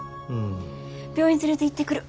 病院連れていってくる。